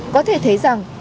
có thể thấy rằng